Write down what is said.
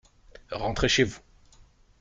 Rentrez chez vous.